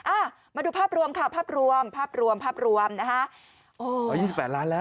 อ้ามาดูภาพรวมค่ะภาพรวมภาพรวมภาพรวมนะฮะ